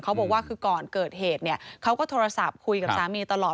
เขาบอกว่าคือก่อนเกิดเหตุเนี่ยเขาก็โทรศัพท์คุยกับสามีตลอด